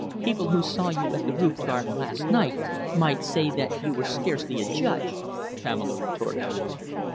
"People who saw you at the roof garden last night might say that you were scarcely a judge," Pamela retorted.